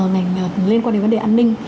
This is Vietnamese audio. ngành liên quan đến vấn đề an ninh